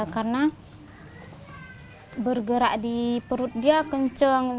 karena bergerak di perut dia kencang